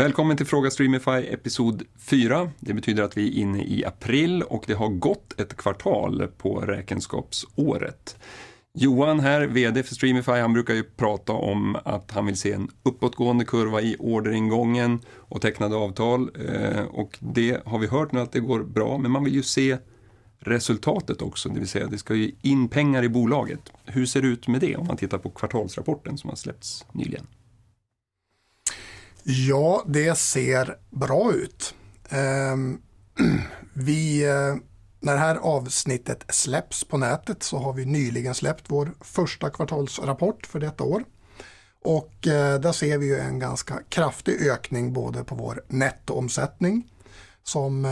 Välkommen till Fråga Streamify episod 4. Det betyder att vi är inne i april och det har gått 1 kvartal på räkenskapsåret. Johan här, vd för Streamify, han brukar ju prata om att han vill se en uppåtgående kurva i orderingången och tecknade avtal. Det har vi hört nu att det går bra, men man vill ju se resultatet också, det vill säga det ska ju in pengar i bolaget. Hur ser det ut med det om man tittar på kvartalsrapporten som har släppts nyligen? Ja, det ser bra ut. Vi, när det här avsnittet släpps på nätet så har vi nyligen släppt vår första kvartalsrapport för detta år. Där ser vi ju en ganska kraftig ökning både på vår nettoomsättning som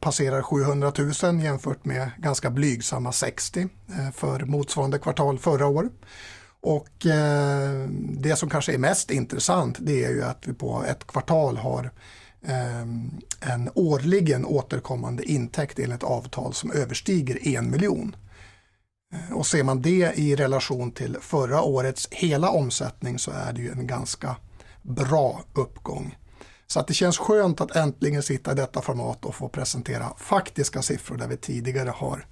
passerar SEK 700,000 jämfört med ganska blygsamma SEK 60,000 för motsvarande kvartal förra år. Det som kanske är mest intressant, det är ju att vi på ett kvartal har en årlig återkommande intäkt i ett avtal som överstiger SEK 1 million. Ser man det i relation till förra årets hela omsättning så är det ju en ganska bra uppgång. Det känns skönt att äntligen sitta i detta format och få presentera faktiska siffror där vi tidigare har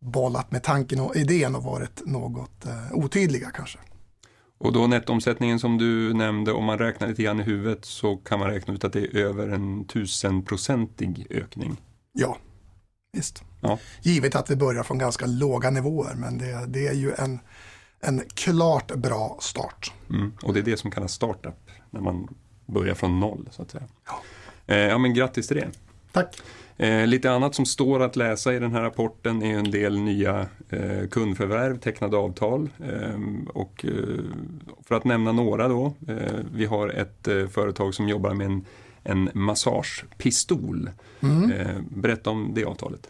bollat med tanken och idén och varit något otydliga kanske. Nettoomsättningen som du nämnde, om man räknar lite grann i huvudet så kan man räkna ut att det är över 1000% ökning. Ja, visst. Givet att vi börjar från ganska låga nivåer, men det är ju en klart bra start. Det är det som kallas startup när man börjar från noll så att säga. Ja. Ja men grattis till det. Tack. Lite annat som står att läsa i den här rapporten är en del nya kundförvärv, tecknade avtal. För att nämna några då. Vi har ett företag som jobbar med en massagepistol. Mm. Berätta om det avtalet.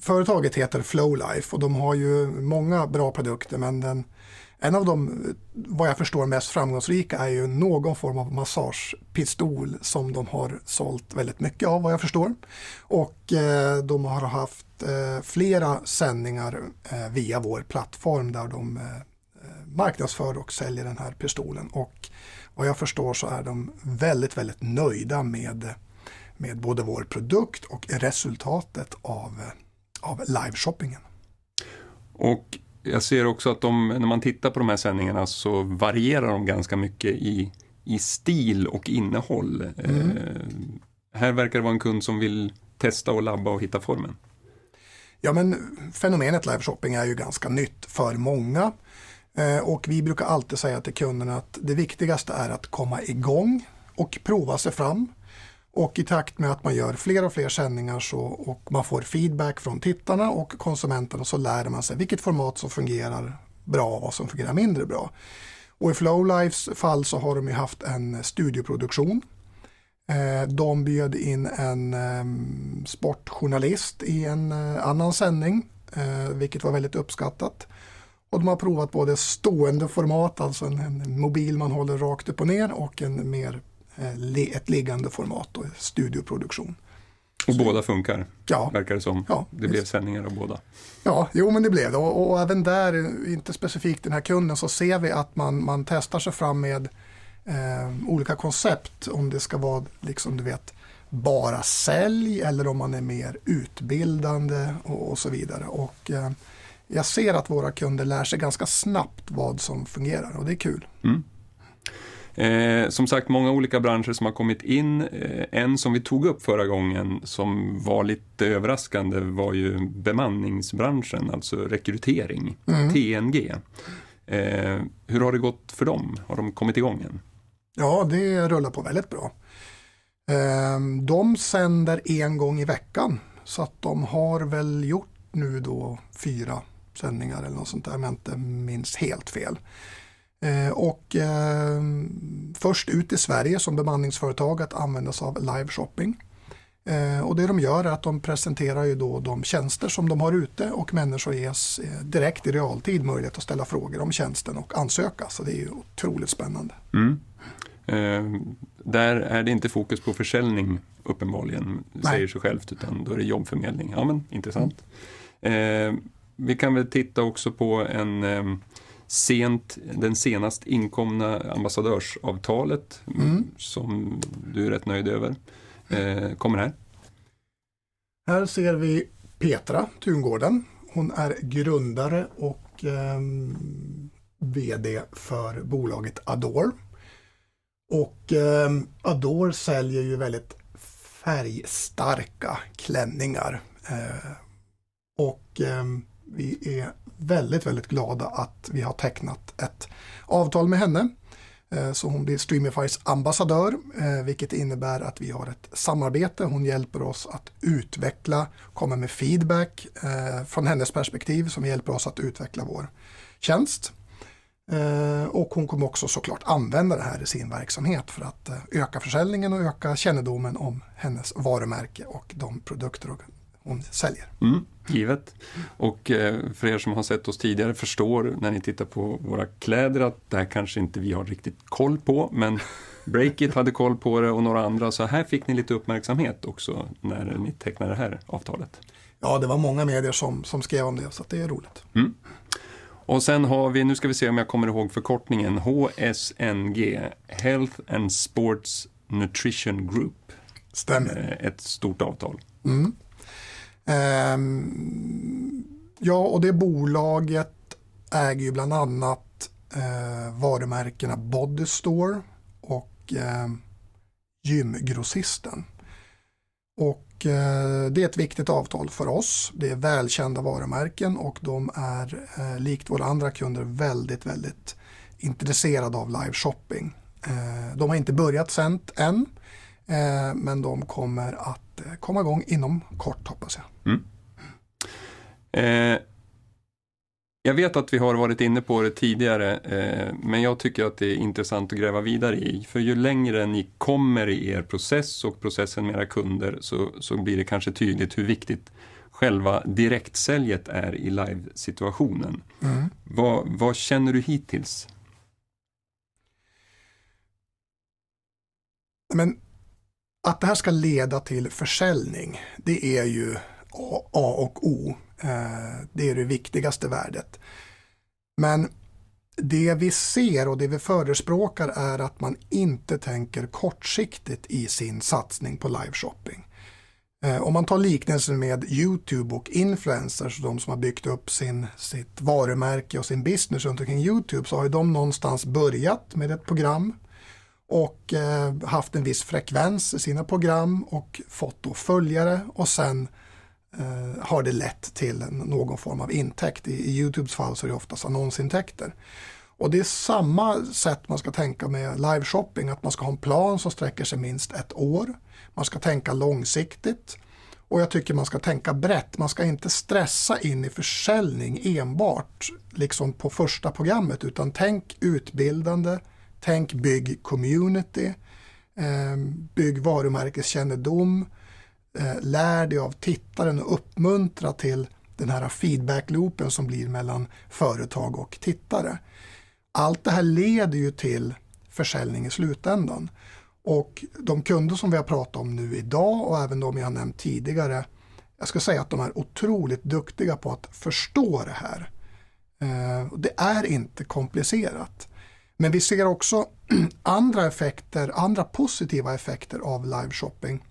Företaget heter Flowlife och de har ju många bra produkter, men en av de, vad jag förstår, mest framgångsrika är ju någon form av massagepistol som de har sålt väldigt mycket av vad jag förstår. De har haft flera sändningar via vår plattform där de marknadsför och säljer den här pistolen. Vad jag förstår så är de väldigt nöjda med med både vår produkt och resultatet av liveshoppingen. Jag ser också att de, när man tittar på de här sändningarna så varierar de ganska mycket i stil och innehåll. Här verkar det vara en kund som vill testa och labba och hitta formen. Ja men fenomenet liveshopping är ju ganska nytt för många. Vi brukar alltid säga till kunderna att det viktigaste är att komma i gång och prova sig fram. I takt med att man gör fler och fler sändningar så, och man får feedback från tittarna och konsumenterna, så lär man sig vilket format som fungerar bra och vad som fungerar mindre bra. I Flowlifes fall så har de ju haft en studioproduktion. De bjöd in en sportjournalist i en annan sändning, vilket var väldigt uppskattat. De har provat både stående format, alltså en mobil man håller rakt upp och ner och en mer, ett liggande format då i studioproduktion. Båda funkar. Ja. Verkar det som. Det blev sändningar av båda. Även där, inte specifikt den här kunden, så ser vi att man testar sig fram med olika koncept. Om det ska vara, liksom du vet, bara sälj eller om man är mer utbildande och så vidare. Jag ser att våra kunder lär sig ganska snabbt vad som fungerar och det är kul. Som sagt, många olika branscher som har kommit in. En som vi tog upp förra gången som var lite överraskande var ju bemanningsbranschen, alltså rekrytering. Mm. TNG. Hur har det gått för dem? Har de kommit igång än? Ja, det rullar på väldigt bra. De sänder en gång i veckan så att de har väl gjort nu då 4 sändningar eller något sånt där om jag inte minns helt fel. Först ut i Sverige som bemanningsföretag att använda sig av liveshopping. Det de gör är att de presenterar ju då de tjänster som de har ute och människor ges direkt i realtid möjlighet att ställa frågor om tjänsten och ansöka. Det är ju otroligt spännande. Där är det inte fokus på försäljning uppenbarligen. Nej. Det säger sig självt, utan då är det jobbförmedling. Ja men intressant. Vi kan väl titta också på en sånt, den senast inkomna ambassadörsavtalet. Mm. Som du är rätt nöjd över. Kommer här. Här ser vi Petra Tungården. Hon är grundare och VD för bolaget Adoore. Adoore säljer ju väldigt färgstarka klänningar. Vi är väldigt glada att vi har tecknat ett avtal med henne. Hon blir Streamifys ambassadör, vilket innebär att vi har ett samarbete. Hon hjälper oss att utveckla, komma med feedback, från hennes perspektiv som hjälper oss att utveckla vår tjänst. Hon kommer också så klart använda det här i sin verksamhet för att öka försäljningen och öka kännedomen om hennes varumärke och de produkter hon säljer. Givet. För er som har sett oss tidigare förstår när ni tittar på våra kläder att det här kanske inte vi har riktigt koll på. Breakit hade koll på det och några andra. Här fick ni lite uppmärksamhet också när ni tecknade det här avtalet. Ja, det var många medier som skrev om det. Det är roligt. Sen har vi, nu ska vi se om jag kommer ihåg förkortningen, HSNG, Health and Sports Nutrition Group. Stämmer. Ett stort avtal. Det bolaget äger ju bland annat varumärkena Bodystore och Gymgrossisten. Det är ett viktigt avtal för oss. Det är välkända varumärken och de är likt våra andra kunder väldigt intresserade av liveshopping. De har inte börjat sända än, men de kommer att komma igång inom kort hoppas jag. Jag vet att vi har varit inne på det tidigare, men jag tycker att det är intressant att gräva vidare i. För ju längre ni kommer i er process och processen med era kunder så blir det kanske tydligt hur viktigt själva direktsäljet är i livesituationen. Vad känner du hittills? Att det här ska leda till försäljning, det är ju A och O. Det är det viktigaste värdet. Det vi ser och det vi förespråkar är att man inte tänker kortsiktigt i sin satsning på liveshopping. Om man tar liknelsen med YouTube och influencers, de som har byggt upp sin, sitt varumärke och sin business runt omkring YouTube, så har ju de någonstans börjat med ett program och haft en viss frekvens i sina program och fått då följare och sen har det lett till någon form av intäkt. I YouTubes fall så är det oftast annonsintäkter. Det är samma sätt man ska tänka med liveshopping, att man ska ha en plan som sträcker sig minst ett år. Man ska tänka långsiktigt och jag tycker man ska tänka brett. Man ska inte stressa in i försäljning enbart, liksom på första programmet, utan tänk utbildande, tänk bygg community, bygg varumärkeskännedom, lär dig av tittaren och uppmuntra till den här feedbackloopen som blir mellan företag och tittare. Allt det här leder ju till försäljning i slutändan. De kunder som vi har pratat om nu i dag och även de jag nämnt tidigare, jag ska säga att de är otroligt duktiga på att förstå det här. Det är inte komplicerat, men vi ser också andra effekter, andra positiva effekter av liveshopping.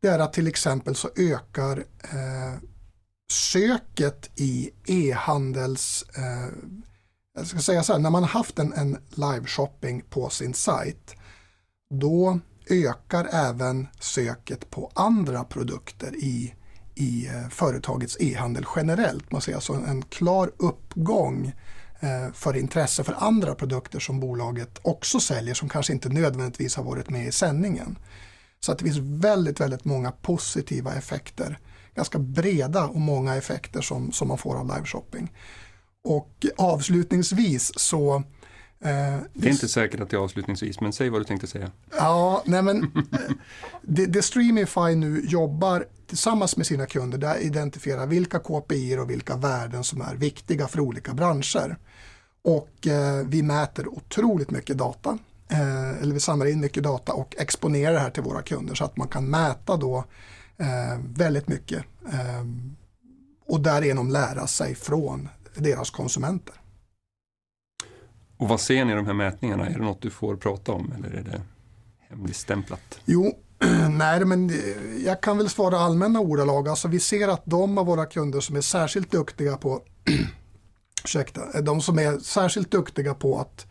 Det är att till exempel så ökar söket i e-handel, jag ska säga såhär, när man haft en liveshopping på sin sajt, då ökar även söket på andra produkter i företagets e-handel generellt. Man ser alltså en klar uppgång för intresse för andra produkter som bolaget också säljer som kanske inte nödvändigtvis har varit med i sändningen. Det finns väldigt många positiva effekter, ganska breda och många effekter som man får av liveshopping. Avslutningsvis, Det är inte säkert att det är avslutningsvis, men säg vad du tänkte säga. Streamify nu jobbar tillsammans med sina kunder, det är att identifiera vilka KPI:er och vilka värden som är viktiga för olika branscher. Vi mäter otroligt mycket data. Eller vi samlar in mycket data och exponerar det här till våra kunder så att man kan mäta väldigt mycket och därigenom lära sig från deras konsumenter. Vad ser ni i de här mätningarna? Är det något du får prata om eller är det hemligstämplat? Jo, nej men jag kan väl svara i allmänna ordalag. Alltså vi ser att de av våra kunder som är särskilt duktiga på att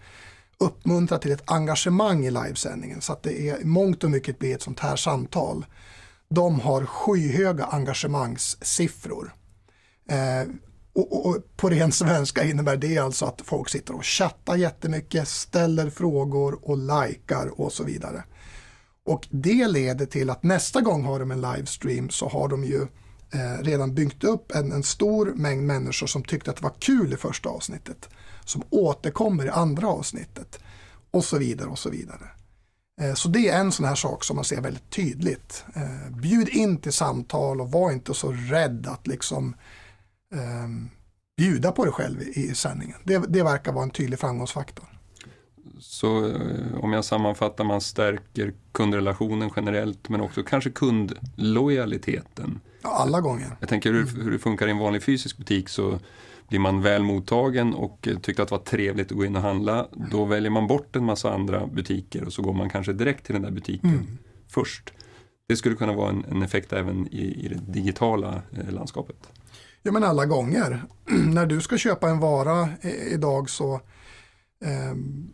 uppmuntra till ett engagemang i livesändningen så att det är i mångt och mycket blir ett sånt här samtal. De har skyhöga engagemangssiffror. På ren svenska innebär det alltså att folk sitter och chattar jättemycket, ställer frågor och lajkar och så vidare. Det leder till att nästa gång har de en livestream så har de ju redan byggt upp en stor mängd människor som tyckte att det var kul i första avsnittet, som återkommer i andra avsnittet och så vidare. Det är en sån här sak som man ser väldigt tydligt. Bjud in till samtal och var inte så rädd att liksom bjuda på dig själv i sändningen. Det verkar vara en tydlig framgångsfaktor. Om jag sammanfattar, man stärker kundrelationen generellt, men också kanske kundlojaliteten. Ja alla gånger. Jag tänker hur det funkar i en vanlig fysisk butik så blir man väl mottagen och tycker att det var trevligt att gå in och handla. Då väljer man bort en massa andra butiker och så går man kanske direkt till den där butiken först. Det skulle kunna vara en effekt även i det digitala landskapet. Ja men alla gånger. När du ska köpa en vara idag så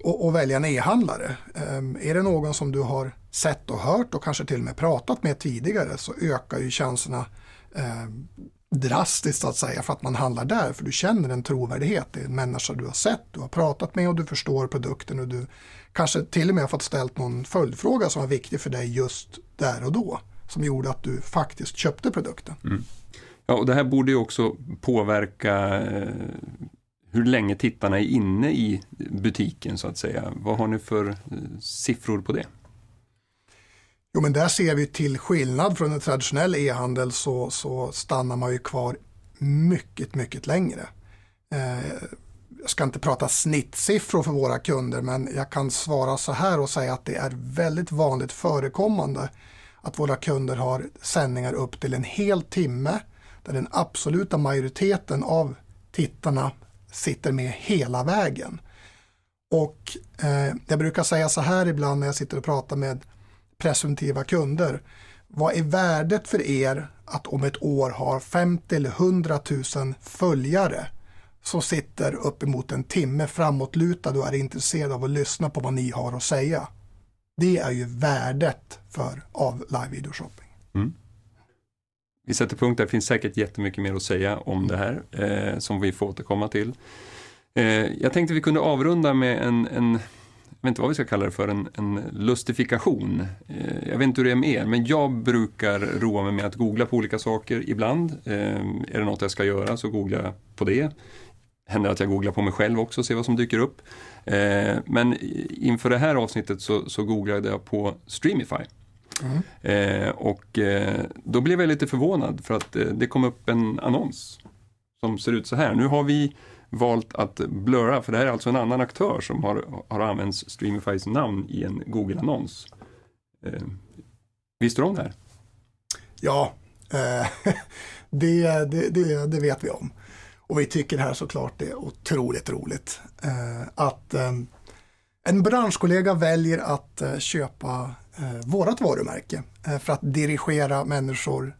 och välja en e-handlare, är det någon som du har sett och hört och kanske till och med pratat med tidigare så ökar ju chanserna drastiskt så att säga för att man handlar där. För du känner en trovärdighet. Det är en människa du har sett, du har pratat med och du förstår produkten och du kanske till och med har fått ställt någon följdfråga som var viktig för dig just där och då, som gjorde att du faktiskt köpte produkten. Ja och det här borde ju också påverka hur länge tittarna är inne i butiken så att säga. Vad har ni för siffror på det? Jo men där ser vi till skillnad från en traditionell e-handel så stannar man ju kvar mycket längre. Jag ska inte prata snittsiffror för våra kunder, men jag kan svara så här och säga att det är väldigt vanligt förekommande att våra kunder har sändningar upp till en hel timme där den absoluta majoriteten av tittarna sitter med hela vägen. Jag brukar säga så här ibland när jag sitter och pratar med presumtiva kunder. Vad är värdet för er att om ett år ha 50- eller 100,000 följare som sitter upp emot en timme framåtlutad och är intresserad av att lyssna på vad ni har att säga? Det är ju värdet av live video shopping. Vi sätter punkt där. Det finns säkert jättemycket mer att säga om det här som vi får återkomma till. Jag tänkte vi kunde avrunda med en, jag vet inte vad vi ska kalla det för, en justifikation. Jag vet inte hur det är med er, men jag brukar roa mig med att googla på olika saker ibland. Är det något jag ska göra så googlar jag på det. Det händer att jag googlar på mig själv också, se vad som dyker upp. Men inför det här avsnittet så googlade jag på Streamify. Och då blev jag lite förvånad för att det kom upp en annons som ser ut så här. Nu har vi valt att blurra, för det här är alltså en annan aktör som har använt Streamifys namn i en Google-annons. Visste du om det här? Det vet vi om. Vi tycker det här så klart det är otroligt roligt att en branschkollega väljer att köpa vårt varumärke för att dirigera människor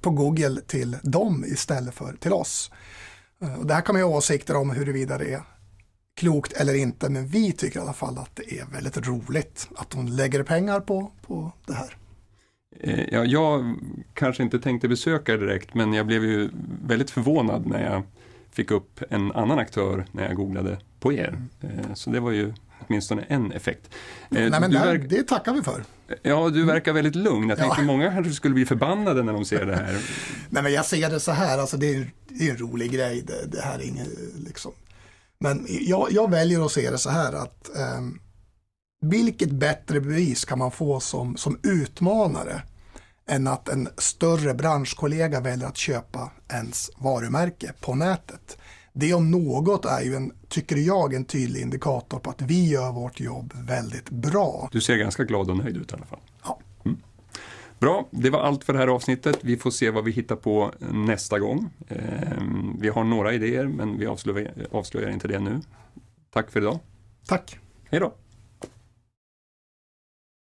på Google till dem istället för till oss. Det här kan man ju ha åsikter om huruvida det är klokt eller inte, men vi tycker i alla fall att det är väldigt roligt att de lägger pengar på det här. Ja, jag kanske inte tänkte besöka er direkt, men jag blev ju väldigt förvånad när jag fick upp en annan aktör när jag googlade på er. Det var ju åtminstone en effekt. Nej men det tackar vi för. Ja, du verkar väldigt lugn. Jag tänker många skulle bli förbannade när de ser det här. Jag ser det såhär. Alltså det är ju en rolig grej. Det här är inget liksom. Jag väljer att se det såhär att vilket bättre bevis kan man få som utmanare än att en större branschkollega väljer att köpa ens varumärke på nätet. Det om något är ju en, tycker jag, en tydlig indikator på att vi gör vårt jobb väldigt bra. Du ser ganska glad och nöjd ut i alla fall. Ja. Bra, det var allt för det här avsnittet. Vi får se vad vi hittar på nästa gång. Vi har några idéer, men vi avslöjar inte det nu. Tack för i dag. Tack. Hejdå!